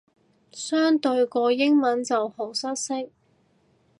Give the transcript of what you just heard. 相對個英文就好失色